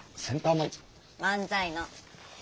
漫才の。